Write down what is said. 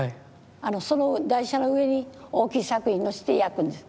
その台車の上に大きい作品のせて焼くんです。